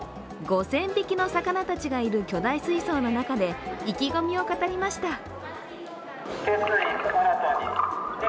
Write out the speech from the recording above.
５０００匹の魚たちがいる巨大水槽の中で意気込みを語りました。